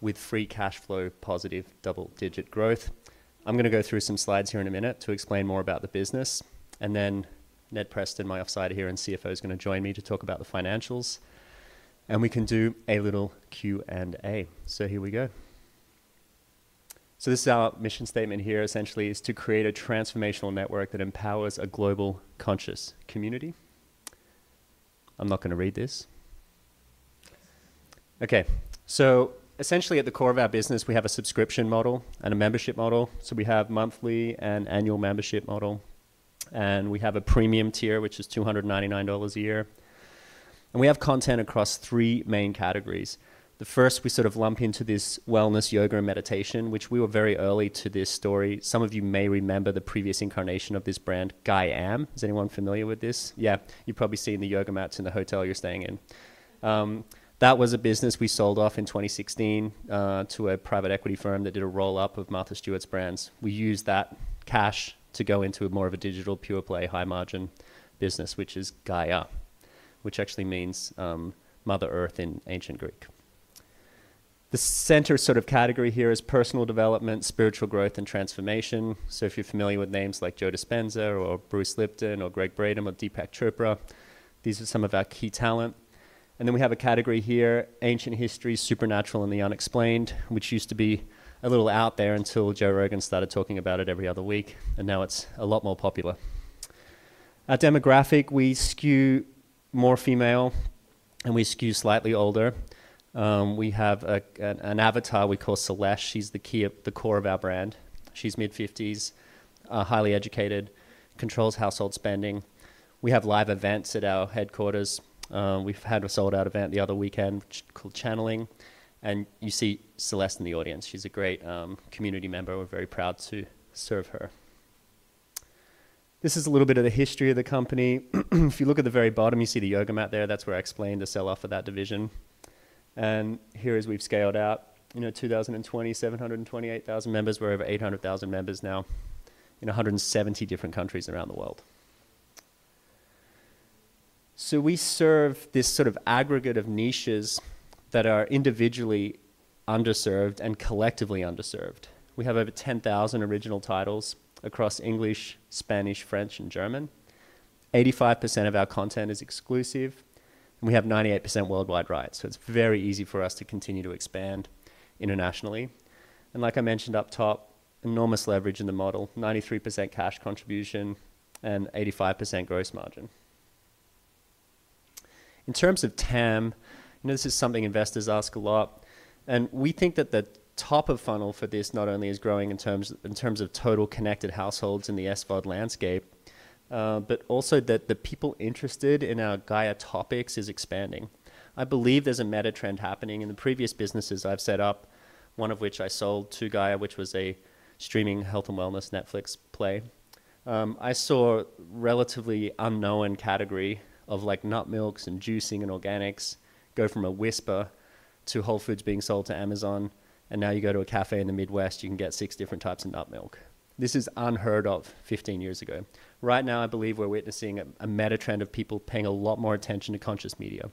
With free cash flow, positive double-digit growth. I'm going to go through some slides here in a minute to explain more about the business, and then Ned Preston, my side here and CFO, is going to join me to talk about the financials. And we can do a little Q&A. So here we go. So this is our mission statement here, essentially, is to create a transformational network that empowers a global conscious community. I'm not going to read this. Okay. So essentially, at the core of our business, we have a subscription model and a membership model. So we have a monthly and annual membership model. And we have a premium tier, which is $299 a year. And we have content across three main categories. The first, we sort of lump into this wellness, yoga, and meditation, which we were very early to this story. Some of you may remember the previous incarnation of this brand, Gaiam. Is anyone familiar with this? Yeah, you've probably seen the yoga mats in the hotel you're staying in. That was a business we sold off in 2016 to a private equity firm that did a roll-up of Martha Stewart's brands. We used that cash to go into more of a digital pure-play high-margin business, which is Gaia, which actually means Mother Earth in ancient Greek. The center sort of category here is personal development, spiritual growth, and transformation. So if you're familiar with names like Joe Dispenza or Bruce Lipton or Gregg Braden or Deepak Chopra, these are some of our key talent. And then we have a category here, ancient history, supernatural, and the unexplained, which used to be a little out there until Joe Rogan started talking about it every other week. Now it's a lot more popular. Our demographic, we skew more female, and we skew slightly older. We have an avatar we call Celeste. She's the core of our brand. She's mid-50s, highly educated, controls household spending. We have live events at our headquarters. We've had a sold-out event the other weekend called Channeling. You see Celeste in the audience. She's a great community member. We're very proud to serve her. This is a little bit of the history of the company. If you look at the very bottom, you see the yoga mat there. That's where I explained the sell-off for that division. Here is where we've scaled out. In 2020, 728,000 members. We're over 800,000 members now in 170 different countries around the world. We serve this sort of aggregate of niches that are individually underserved and collectively underserved. We have over 10,000 original titles across English, Spanish, French, and German. 85% of our content is exclusive, and we have 98% worldwide rights, so it's very easy for us to continue to expand internationally, and like I mentioned up top, enormous leverage in the model, 93% cash contribution, and 85% gross margin. In terms of TAM, this is something investors ask a lot, and we think that the top of funnel for this not only is growing in terms of total connected households in the SVOD landscape, but also that the people interested in our Gaia topics is expanding. I believe there's a meta trend happening. In the previous businesses I've set up, one of which I sold to Gaia, which was a streaming health and wellness Netflix play, I saw a relatively unknown category of nut milks and juicing and organics go from a whisper to Whole Foods being sold to Amazon, and now you go to a cafe in the Midwest, you can get six different types of nut milk. This is unheard of 15 years ago. Right now, I believe we're witnessing a meta trend of people paying a lot more attention to conscious media.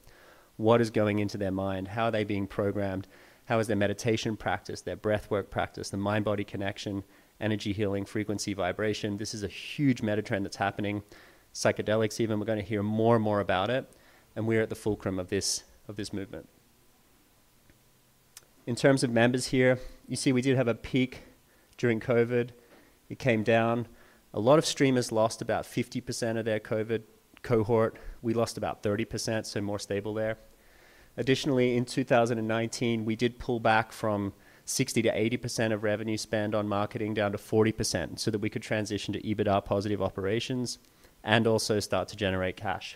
What is going into their mind? How are they being programmed? How is their meditation practice, their breath work practice, the mind-body connection, energy healing, frequency, vibration? This is a huge meta trend that's happening. Psychedelics even. We're going to hear more and more about it, and we're at the fulcrum of this movement. In terms of members here, you see we did have a peak during COVID. It came down. A lot of streamers lost about 50% of their COVID cohort. We lost about 30%, so more stable there. Additionally, in 2019, we did pull back from 60%-80% of revenue spend on marketing down to 40% so that we could transition to EBITDA-positive operations and also start to generate cash.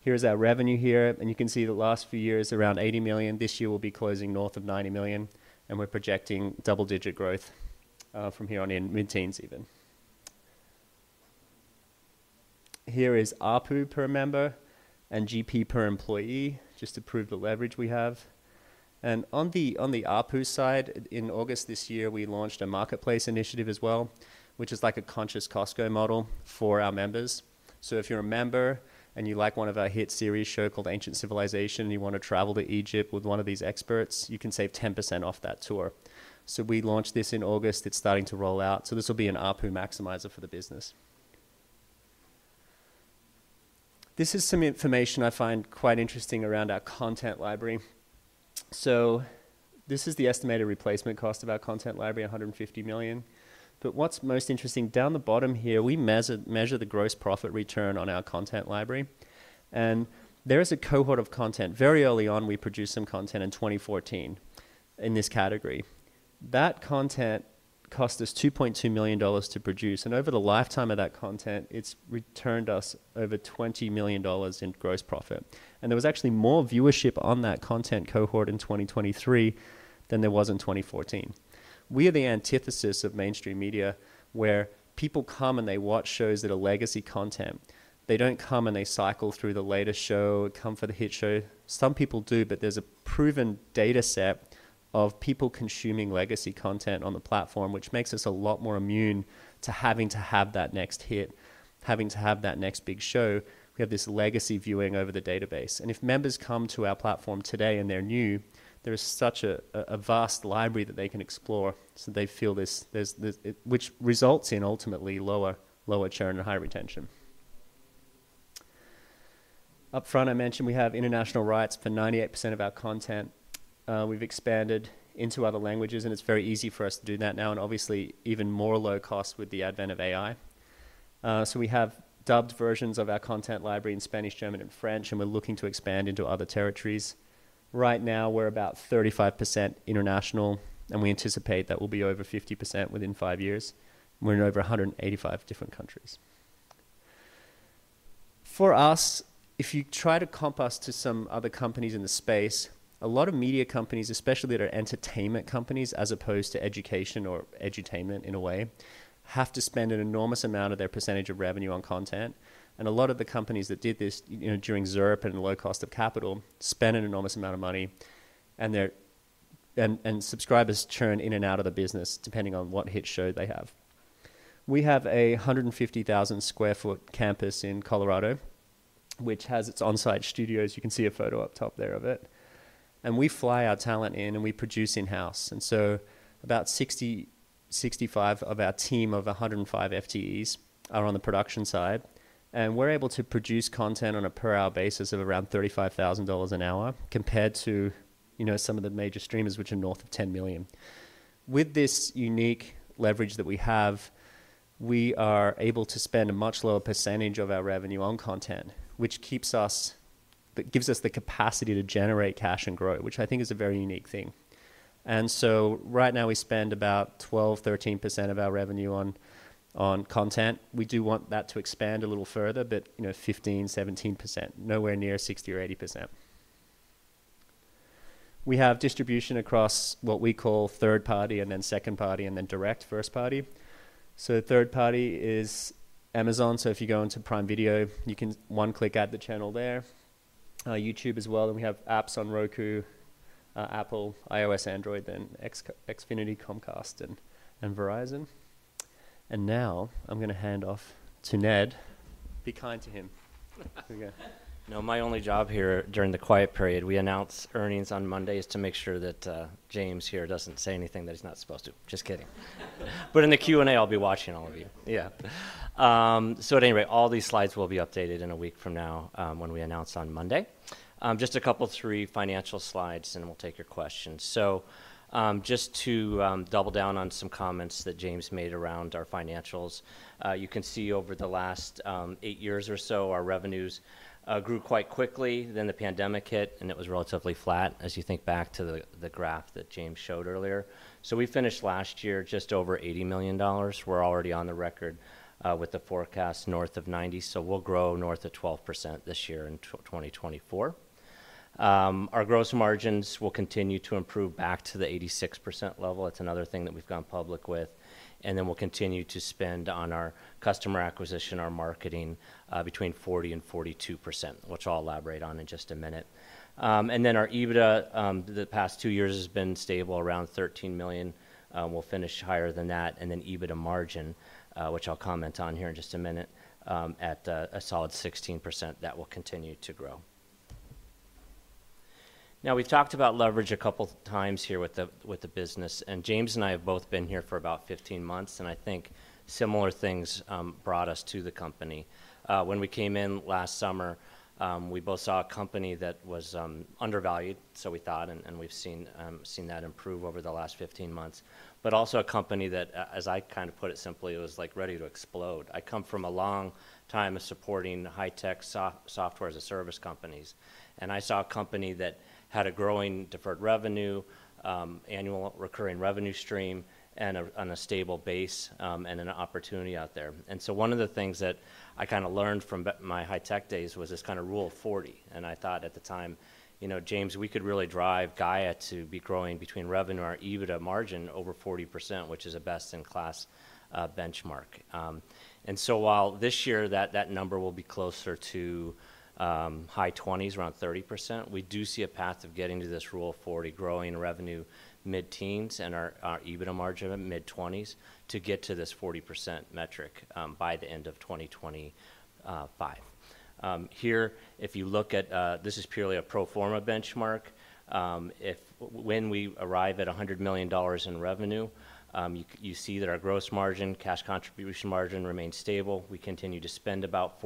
Here is our revenue here. And you can see the last few years, around $80 million. This year we'll be closing north of $90 million. And we're projecting double-digit growth from here on in, mid-teens even. Here is ARPU per member and GP per employee, just to prove the leverage we have. And on the ARPU side, in August this year, we launched a marketplace initiative as well, which is like a conscious Costco model for our members. So if you're a member and you like one of our hit series show called Ancient Civilizations, and you want to travel to Egypt with one of these experts, you can save 10% off that tour. So we launched this in August. It's starting to roll out. So this will be an ARPU maximizer for the business. This is some information I find quite interesting around our content library. So this is the estimated replacement cost of our content library, $150 million. But what's most interesting down the bottom here, we measure the gross profit return on our content library. And there is a cohort of content. Very early on, we produced some content in 2014 in this category. That content cost us $2.2 million to produce. And over the lifetime of that content, it's returned us over $20 million in gross profit. And there was actually more viewership on that content cohort in 2023 than there was in 2014. We are the antithesis of mainstream media, where people come and they watch shows that are legacy content. They don't come and they cycle through the latest show, come for the hit show. Some people do, but there's a proven data set of people consuming legacy content on the platform, which makes us a lot more immune to having to have that next hit, having to have that next big show. We have this legacy viewing over the database. And if members come to our platform today and they're new, there is such a vast library that they can explore so they feel this, which results in ultimately lower churn and high retention. Up front, I mentioned we have international rights for 98% of our content. We've expanded into other languages, and it's very easy for us to do that now, and obviously even more low cost with the advent of AI. So we have dubbed versions of our content library in Spanish, German, and French, and we're looking to expand into other territories. Right now, we're about 35% international, and we anticipate that we'll be over 50% within five years. We're in over 185 different countries. For us, if you try to comp us to some other companies in the space, a lot of media companies, especially that are entertainment companies as opposed to education or edutainment in a way, have to spend an enormous amount of their percentage of revenue on content. A lot of the companies that did this during ZIRP and low cost of capital spend an enormous amount of money, and subscribers churn in and out of the business depending on what hit show they have. We have a 150,000-sq ft campus in Colorado, which has its onsite studios. You can see a photo up top there of it. We fly our talent in, and we produce in-house. About 60-65 of our team of 105 FTEs are on the production side. We're able to produce content on a per-hour basis of around $35,000 an hour compared to some of the major streamers, which are north of $10 million. With this unique leverage that we have, we are able to spend a much lower percentage of our revenue on content, which keeps us, gives us the capacity to generate cash and grow, which I think is a very unique thing. And so right now, we spend about 12%-13% of our revenue on content. We do want that to expand a little further, but 15%-17%, nowhere near 60% or 80%. We have distribution across what we call third party, and then second party, and then direct first party. So third party is Amazon. So if you go into Prime Video, you can one-click at the channel there. YouTube as well. And we have apps on Roku, Apple, iOS, Android, then Xfinity, Comcast, and Verizon. And now I'm going to hand off to Ned. Be kind to him. Now, my only job here during the quiet period, we announce earnings on Monday, to make sure that James here doesn't say anything that he's not supposed to. Just kidding. But in the Q&A, I'll be watching all of you. Yeah. So at any rate, all these slides will be updated in a week from now when we announce on Monday. Just a couple of three financial slides, and we'll take your questions. So just to double down on some comments that James made around our financials, you can see over the last eight years or so, our revenues grew quite quickly. Then the pandemic hit, and it was relatively flat as you think back to the graph that James showed earlier. So we finished last year just over $80 million. We're already on the record with the forecast north of $90 million. So we'll grow north of 12% this year in 2024. Our gross margins will continue to improve back to the 86% level. That's another thing that we've gone public with. And then we'll continue to spend on our customer acquisition, our marketing, between 40% and 42%, which I'll elaborate on in just a minute. And then our EBITDA the past two years has been stable, around $13 million. We'll finish higher than that. And then EBITDA margin, which I'll comment on here in just a minute, at a solid 16%. That will continue to grow. Now, we've talked about leverage a couple of times here with the business. And James and I have both been here for about 15 months. And I think similar things brought us to the company. When we came in last summer, we both saw a company that was undervalued, so we thought, and we've seen that improve over the last 15 months. But also a company that, as I kind of put it simply, was like ready to explode. I come from a long time of supporting high-tech software as a service companies. And I saw a company that had a growing deferred revenue, annual recurring revenue stream on a stable base, and an opportunity out there. And so one of the things that I kind of learned from my high-tech days was this kind of Rule of 40. And I thought at the time, James, we could really drive Gaia to be growing between revenue and our EBITDA margin over 40%, which is a best-in-class benchmark. While this year that number will be closer to high 20s, around 30%, we do see a path of getting to this rule of 40, growing revenue mid-teens and our EBITDA margin mid-20s to get to this 40% metric by the end of 2025. Here, if you look at this is purely a pro forma benchmark. When we arrive at $100 million in revenue, you see that our gross margin, cash contribution margin remains stable. We continue to spend about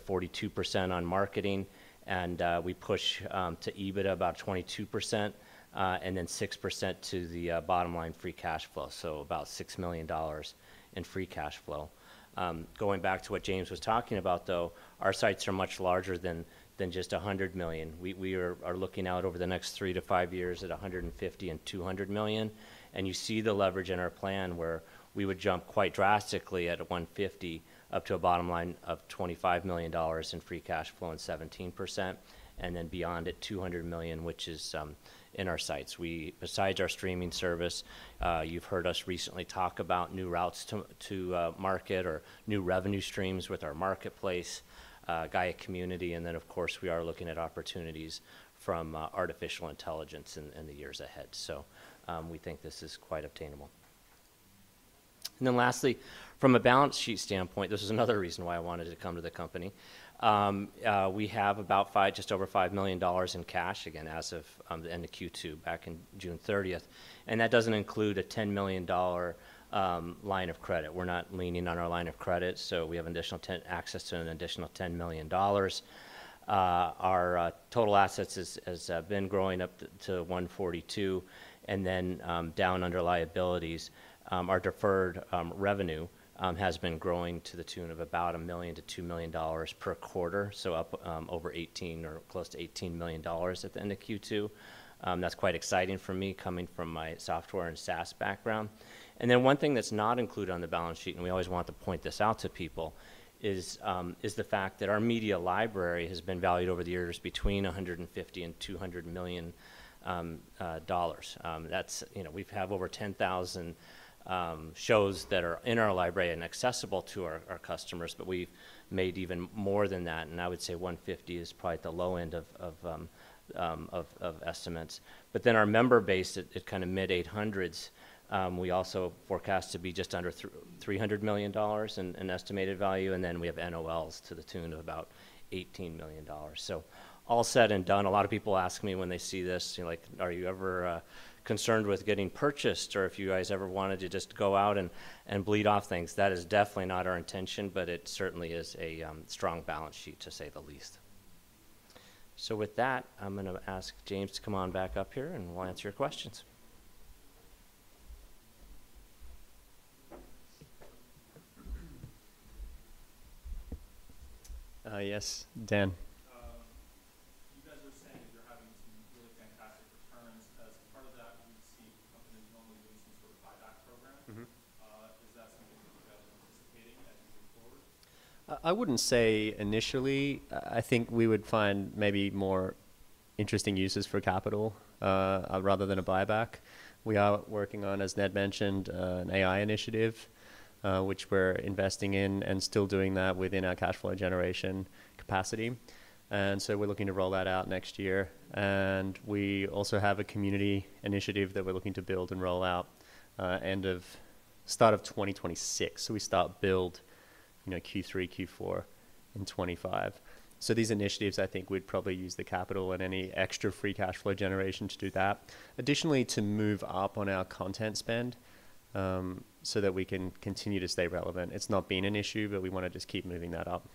40%-42% on marketing. And we push to EBITDA about 22%, and then 6% to the bottom line free cash flow. So about $6 million in free cash flow. Going back to what James was talking about, though, our sights are much larger than just 100 million. We are looking out over the next three to five years at 150 and 200 million. And you see the leverage in our plan where we would jump quite drastically at 150 up to a bottom line of $25 million in free cash flow and 17%, and then beyond at 200 million, which is in our sights. Besides our streaming service, you've heard us recently talk about new routes to market or new revenue streams with our marketplace, Gaia Community. And then, of course, we are looking at opportunities from artificial intelligence in the years ahead. So we think this is quite obtainable. And then lastly, from a balance sheet standpoint, this is another reason why I wanted to come to the company. We have about just over $5 million in cash, again, as of the end of Q2 back in June 30th. And that doesn't include a $10 million line of credit. We're not leaning on our line of credit. So we have access to an additional $10 million. Our total assets have been growing up to $142 million. And then down under liabilities, our deferred revenue has been growing to the tune of about $1 million to $2 million per quarter. So up over $18 million or close to $18 million at the end of Q2. That's quite exciting for me coming from my software and SaaS background. And then one thing that's not included on the balance sheet, and we always want to point this out to people, is the fact that our media library has been valued over the years between $150 million and $200 million. We have over 10,000 shows that are in our library and accessible to our customers, but we've made even more than that. And I would say 150 is probably at the low end of estimates. But then our member base, it's kind of mid-800s. We also forecast to be just under $300 million in estimated value, and then we have NOLs to the tune of about $18 million, so all said and done, a lot of people ask me when they see this, like, are you ever concerned with getting purchased or if you guys ever wanted to just go out and bleed off things? That is definitely not our intention, but it certainly is a strong balance sheet, to say the least, so with that, I'm going to ask James to come on back up here, and we'll answer your questions. Yes, Dan. You guys were saying that you're having some really fantastic returns. As part of that, we see companies normally doing some sort of buyback program. Is that something that you guys are anticipating as you move forward? I wouldn't say initially. I think we would find maybe more interesting uses for capital rather than a buyback. We are working on, as Ned mentioned, an AI initiative, which we're investing in and still doing that within our cash flow generation capacity, and so we're looking to roll that out next year, and we also have a community initiative that we're looking to build and roll out start of 2026. So we start build Q3, Q4 in 2025. So these initiatives, I think we'd probably use the capital and any extra free cash flow generation to do that. Additionally, to move up on our content spend so that we can continue to stay relevant. It's not been an issue, but we want to just keep moving that up.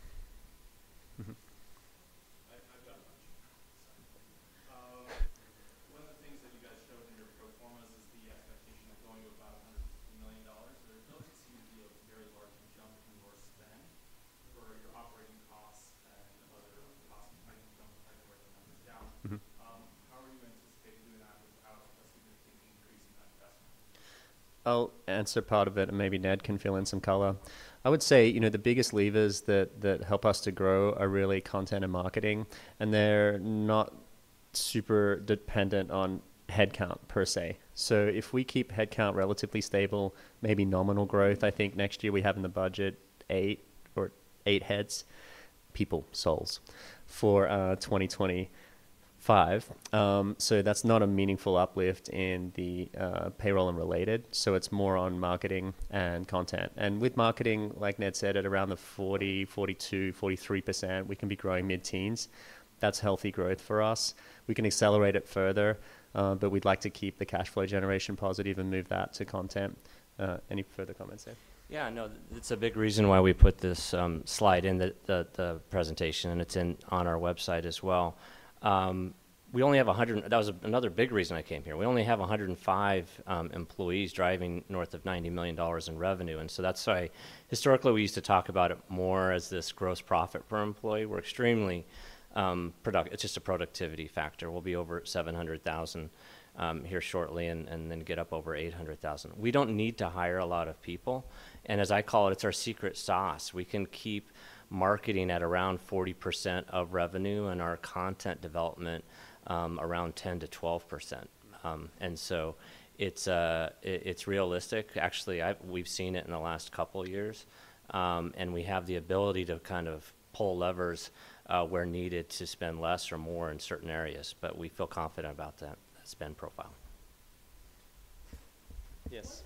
I've got a question. One of the things that you guys showed in your pro formas is the expectation of going to about $150 million. Those seem to be a very large jump in your spend for your operating costs and other costs. I don't like to write the numbers down. How are you anticipating doing that without a significant increase in that investment? I'll answer part of it, and maybe Ned can fill in some color. I would say the biggest levers that help us to grow are really content and marketing. And they're not super dependent on headcount, per se. So if we keep headcount relatively stable, maybe nominal growth, I think next year we have in the budget eight or eight heads, people, souls for 2025. So that's not a meaningful uplift in the payroll and related. So it's more on marketing and content. And with marketing, like Ned said, at around 40%-43%, we can be growing mid-teens. That's healthy growth for us. We can accelerate it further, but we'd like to keep the cash flow generation positive and move that to content. Any further comments there? Yeah, no, it's a big reason why we put this slide in the presentation, and it's on our website as well. We only have 100. That was another big reason I came here. We only have 105 employees driving north of $90 million in revenue. And so that's why historically we used to talk about it more as this gross profit per employee. We're extremely, it's just a productivity factor. We'll be over 700,000 here shortly and then get up over 800,000. We don't need to hire a lot of people. And as I call it, it's our secret sauce. We can keep marketing at around 40% of revenue and our content development around 10%-12%. And so it's realistic. Actually, we've seen it in the last couple of years. We have the ability to kind of pull levers where needed to spend less or more in certain areas. We feel confident about that spend profile. Yes.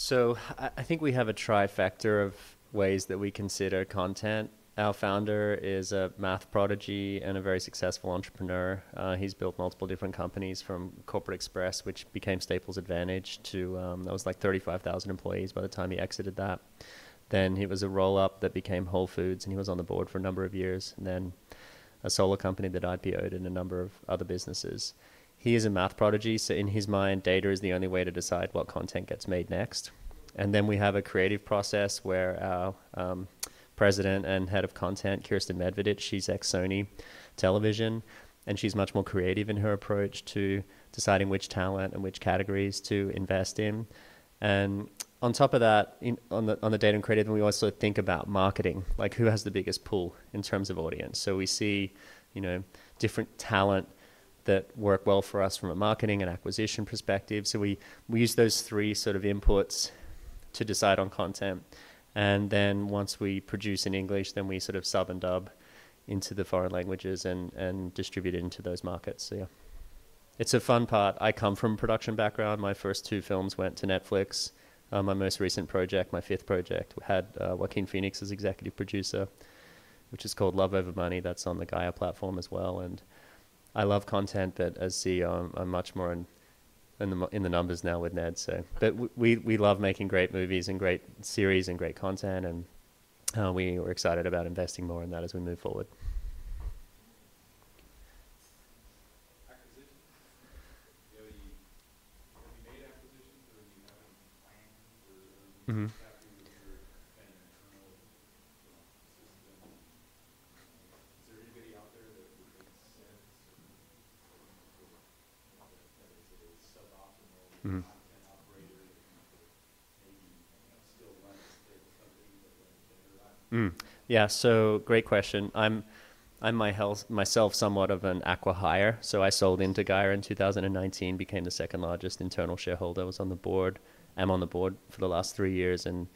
What is your process for deciding what content you're going to develop? So I think we have a trifecta of ways that we consider content. Our founder is a math prodigy and a very successful entrepreneur. He's built multiple different companies from Corporate Express, which became Staples Advantage, to that was like 35,000 employees by the time he exited that. Then he was a roll-up that became Whole Foods, and he was on the board for a number of years. Then a solo company that IPO'd and a number of other businesses. He is a math prodigy. So in his mind, data is the only way to decide what content gets made next. And then we have a creative process where our President and Head of Content, Kiersten Medvedich, she's ex-Sony Television, and she's much more creative in her approach to deciding which talent and which categories to invest in. On top of that, on the data and creative, we also think about marketing, like who has the biggest pool in terms of audience. We see different talent that work well for us from a marketing and acquisition perspective. We use those three sort of inputs to decide on content. Then once we produce in English, we sort of sub and dub into the foreign languages and distribute it into those markets. Yeah, it's a fun part. I come from a production background. My first two films went to Netflix. My most recent project, my fifth project, had Joaquin Phoenix as executive producer, which is called Love Over Money. That's on the Gaia platform as well. I love content, but as CEO, I'm much more in the numbers now with Ned. We love making great movies and great series and great content. We were excited about investing more in that as we move forward. Acquisitions. Have you made acquisitions, or do you have any plans, or are you happy with your kind of internal system? Is there anybody out there that makes sense or that is a suboptimal content operator that maybe still wants their company to interact? Yeah, so great question. I'm myself somewhat of an acqui-hire. So I sold into Gaia in 2019, became the second largest internal shareholder. I was on the board. I'm on the board for the last three years and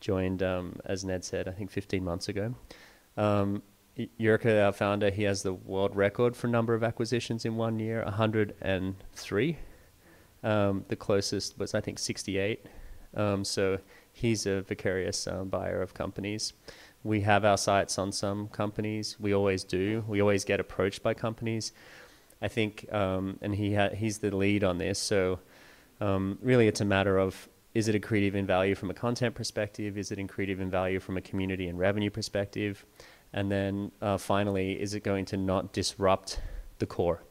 joined, as Ned said, I think 15 months ago. Jirka, our founder, he has the world record for number of acquisitions in one year, 103. The closest was, I think, 68. So he's a voracious buyer of companies. We have our sights on some companies. We always do. We always get approached by companies. I think, and he's the lead on this. So really, it's a matter of, is it accretive in value from a content perspective? Is it accretive in value from a community and revenue perspective? And then finally, is it going to not disrupt the core?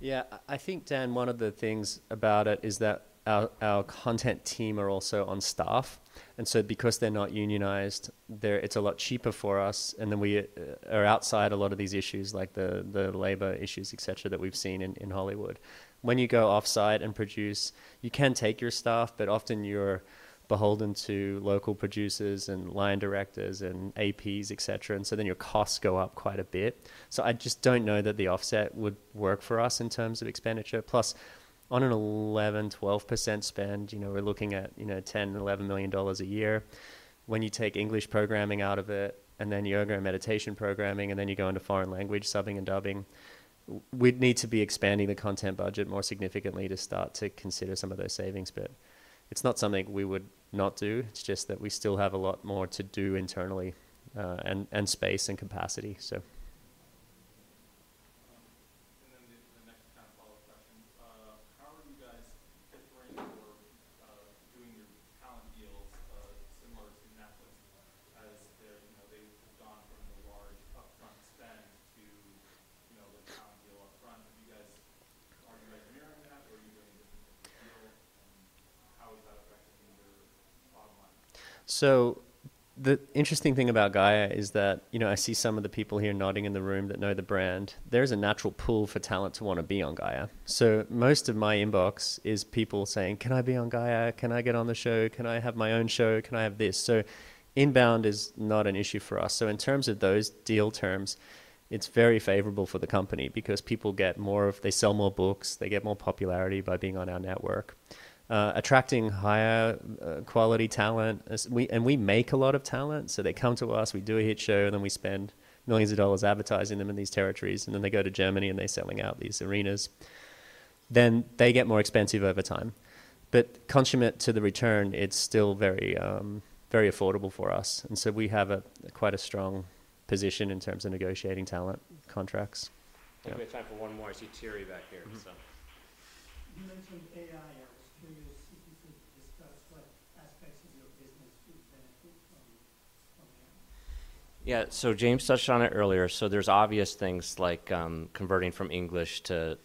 Yeah, I think, Dan, one of the things about it is that our content team are also on staff, and so because they're not unionized, it's a lot cheaper for us, and then we are outside a lot of these issues, like the labor issues, et cetera, that we've seen in Hollywood. When you go offsite and produce, you can take your staff, but often you're beholden to local producers and line directors and APs, et cetera, and so then your costs go up quite a bit, so I just don't know that the offset would work for us in terms of expenditure. Plus, on an 11-12% spend, we're looking at $10-$11 million a year. When you take English programming out of it, and then yoga and meditation programming, and then you go into foreign language, subbing and dubbing, we'd need to be expanding the content budget more significantly to start to consider some of those savings. But it's not something we would not do. It's just that we still have a lot more to do internally and space and capacity, so. And then the next kind of follow-up question. How are you guys differing or doing your talent deals similar to Netflix as they've gone from the large upfront spend to the talent deal upfront? Are you guys revenuing that, or are you doing different things with the deal? And how is that affecting your bottom line? The interesting thing about Gaia is that I see some of the people here nodding in the room that know the brand. There is a natural pool for talent to want to be on Gaia. So most of my inbox is people saying, "Can I be on Gaia? Can I get on the show? Can I have my own show? Can I have this?" So inbound is not an issue for us. So in terms of those deal terms, it is very favorable for the company because people get more if they sell more books. They get more popularity by being on our network. Attracting higher quality talent, and we make a lot of talent. So they come to us. We do a hit show, and then we spend millions of dollars advertising them in these territories. And then they go to Germany, and they are selling out these arenas. Then they get more expensive over time. But commensurate to the return, it's still very affordable for us. And so we have quite a strong position in terms of negotiating talent contracts. We have time for one more. I see Thierry back here, so. You mentioned AI. I was curious if you could discuss what aspects of your business would benefit from AI? Yeah, so James touched on it earlier. So there's obvious things like converting from English to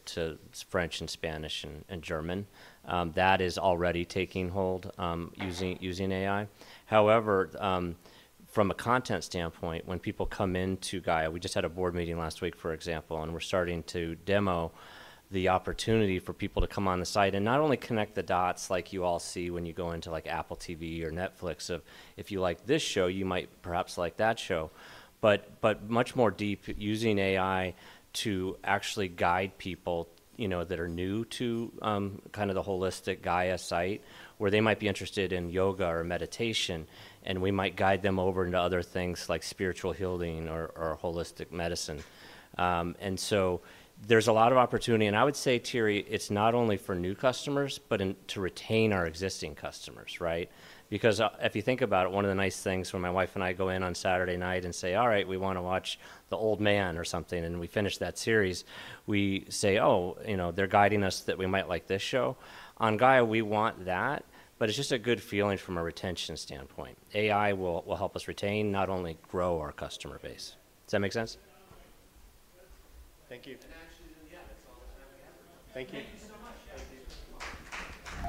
French and Spanish and German. That is already taking hold using AI. However, from a content standpoint, when people come into Gaia, we just had a board meeting last week, for example, and we're starting to demo the opportunity for people to come on the site and not only connect the dots like you all see when you go into Apple TV or Netflix of, "If you like this show, you might perhaps like that show." But much more deep, using AI to actually guide people that are new to kind of the holistic Gaia site where they might be interested in yoga or meditation, and we might guide them over into other things like spiritual healing or holistic medicine. And so there's a lot of opportunity. I would say, Thierry, it's not only for new customers, but to retain our existing customers, right? Because if you think about it, one of the nice things when my wife and I go in on Saturday night and say, "All right, we want to watch The Old Man or something," and we finish that series, we say, "Oh, they're guiding us that we might like this show." On Gaia, we want that, but it's just a good feeling from a retention standpoint. AI will help us retain, not only grow our customer base. Does that make sense? Thank you. Actually, yeah, that's all the time we have for today. Thank you. Thank you so much. Thank you so much.